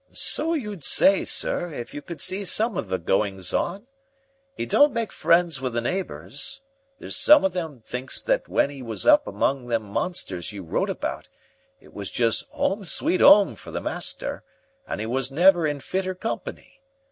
"So you'd say, sir, if you could see some of the goings on. 'E don't make friends with the neighbors. There's some of them thinks that when 'e was up among those monsters you wrote about, it was just ''Ome, Sweet 'Ome' for the master, and 'e was never in fitter company.